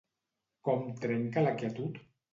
Com trenca la quietud?